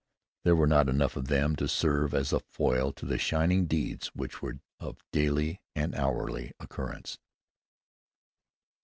There were not enough of them to serve as a foil to the shining deeds which were of daily and hourly occurrence.